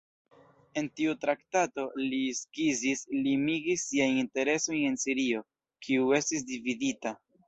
En tiu traktato, li skizis, limigis siajn interesojn en Sirio, kiu estis dividita.